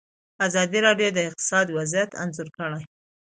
ازادي راډیو د اقتصاد وضعیت انځور کړی.